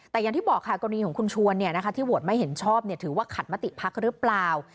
แต่อย่างที่บอกคุณชวนที่โหวตไม่เห็นชอบถือว่าขัดมติภักดิ์หรือเปล่า